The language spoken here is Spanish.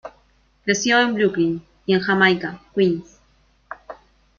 Creció en Brooklyn, y en Jamaica, Queens.